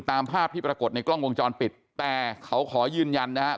ตามภาพที่ปรากฏในกล้องวงจรปิดแต่เขาขอยืนยันนะฮะ